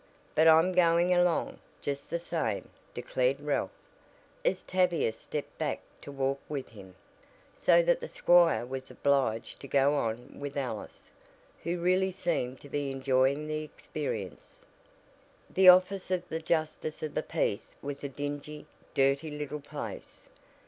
"But I'm going along, just the same," declared Ralph, as Tavia stepped back to walk with him, so that the squire was obliged to go on with Alice, who really seemed to be enjoying the experience. The office of the justice of the peace was a dingy, dirty little place.